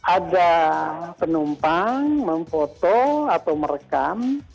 ada penumpang memfoto atau merekam